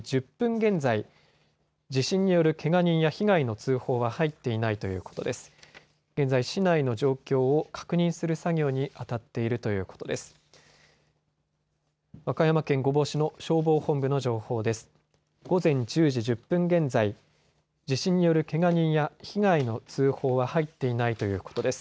現在、市内の状況を確認する作業にあたっているということです。